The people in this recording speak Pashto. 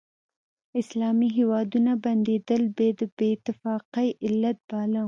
اسلامي هیوادونه بندېدل یې د بې اتفاقۍ علت باله.